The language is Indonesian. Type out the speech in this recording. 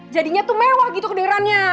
jadinya tuh mewah gitu kedengerannya